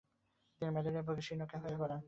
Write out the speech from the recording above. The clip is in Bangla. তিনি ম্যালেরিয়ায় ভুগে শীর্ণকায় হয়ে পড়েন।